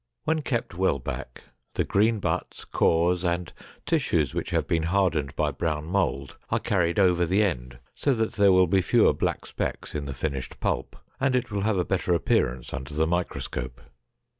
When kept well back, the green butts, cores, and tissues which have been hardened by brown mold are carried over the end so that there will be fewer black specks in the finished pulp and it will have a better appearance under the microscope.